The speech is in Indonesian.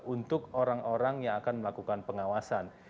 untuk orang orang yang akan melakukan pengawasan